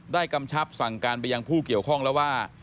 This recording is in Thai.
กำชับสั่งการไปยังผู้เกี่ยวข้องแล้วว่า